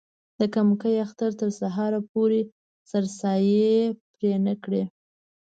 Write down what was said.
د کمکي اختر تر سهاره پورې سرسایې پرې نه کړي.